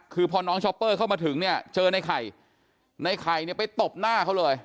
คือพอน้องช้อปเปอร์เข้ามาถึงเนี่ยเจอในไข่ในไข่เนี่ยไปตบหน้าเขาเลย